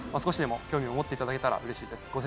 少し興味を持っていただけたらうれしいです。